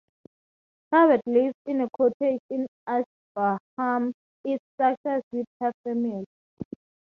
Corbett lives in a cottage in Ashburnham, East Sussex with her family.